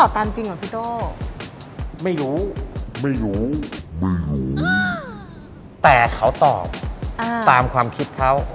แต่เขาตอบตามความคิดเขา